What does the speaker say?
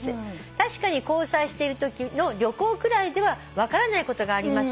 「確かに交際しているときの旅行くらいでは分からないことがありますよね」